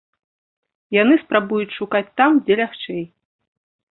Яны спрабуюць шукаць там, дзе лягчэй.